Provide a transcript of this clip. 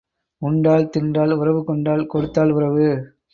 உண்டால் தின்றால் உறவு கொண்டால் கொடுத்தால் உறவு.